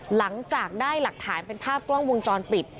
หลังจากได้หลักฐานเป็นภาพกล้องวงจรปิด